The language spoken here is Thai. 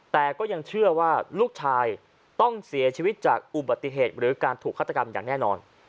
แต่ก็ยังเชื่อว่าลูกชายต้องเสียชีวิตจากอุบัติเหตุหรือการถูกฆาตกรรมอย่างแน่นอน